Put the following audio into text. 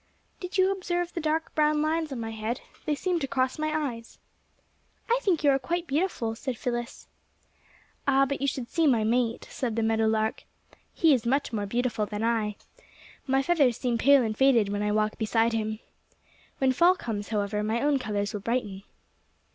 "Did you observe the dark brown lines on my head? They seem to cross my eyes." "I think you are quite beautiful," said Phyllis. "Ah, but you should see my mate," said the meadow lark. "He is much more beautiful than I. My feathers seem pale and faded when I walk beside him. When fall comes, however, my own colours will brighten."